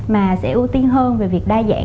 mà sẽ ưu tiên hơn về việc đa dạng